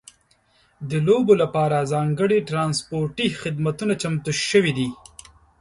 د لوبو لپاره ځانګړي ترانسپورتي خدمتونه چمتو شوي دي.